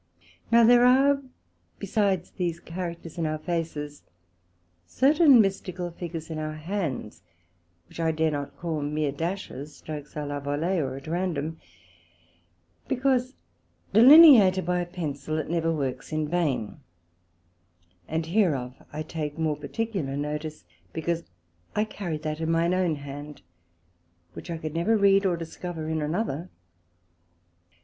Now there are, besides these Characters in our Faces, certain mystical figures in our Hands, which I dare not call meer dashes, strokes a la volee, or at random, because delineated by a Pencil that never works in vain; and hereof I take more particular notice, because I carry that in mine own hand, which I could never read of, nor discover in another.